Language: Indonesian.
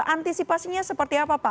antisipasinya seperti apa pak